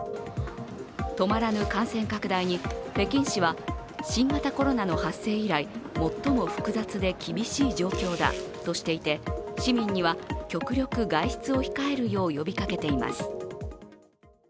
止まらぬ感染拡大に北京市は新型コロナの発生以来最も複雑で厳しい状況だとしていて市民には、極力外出を控えるよう呼びかけています。